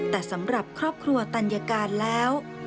แต่สำหรับครอบครัวตัญการแล้ว